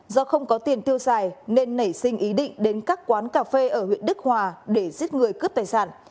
do không có tiền tiêu xài nên nảy sinh ý định đến các quán cà phê ở huyện đức hòa để giết người cướp tài sản